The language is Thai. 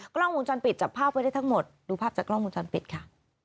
กล้องวงจรปิดจับภาพไว้ได้ทั้งหมดดูภาพจากกล้องวงจรปิดค่ะ